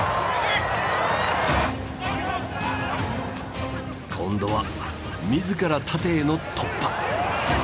今度は自ら縦への突破！